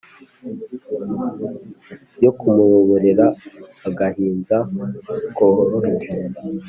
yo kumuyoborera agahinza koroheje